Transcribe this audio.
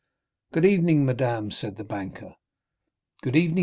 "Good evening, madame," said the banker; "good evening, M.